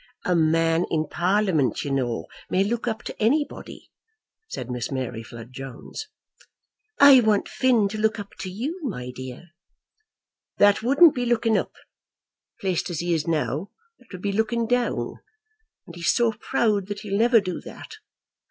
"A man in Parliament, you know, may look up to anybody," said Miss Mary Flood Jones. "I want Phin to look up to you, my dear." "That wouldn't be looking up. Placed as he is now, that would be looking down; and he is so proud that he'll never do that.